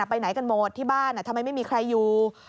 ไปไหนกันหมดที่บ้านทำไมไม่มีใครอยู่